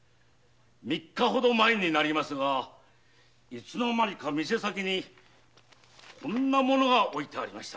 三日ほど前になりますがいつの間にか店先にこんな物が置いてありました。